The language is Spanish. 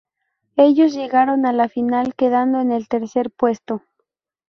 Ellos llegaron a la final, quedando en el tercer puesto.